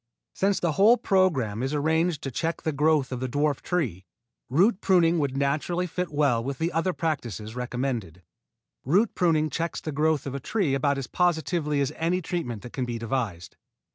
Since the whole program is arranged to check the growth of the dwarf tree, root pruning would naturally fit well with the other practises recommended. Root pruning checks the growth of a tree about as positively as any treatment that can be devised.